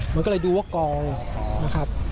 มันก็เลยดูว่ากองนะครับ